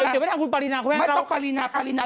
เดี๋ยวไปทางคุณปรินาคุณแม่ไม่ต้องปรินาปรินา